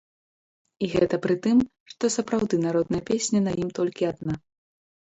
І гэта пры тым, што сапраўды народная песня на ім толькі адна.